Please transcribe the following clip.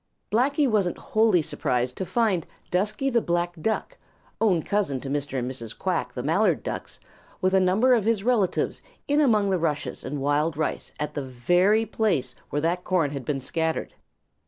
Blacky wasn't wholly surprised to find Dusky the Black Duck, own cousin to Mr. and Mrs. Quack the Mallard Ducks, with a number of his relatives in among the rushes and wild rice at the very place where that corn had been scattered.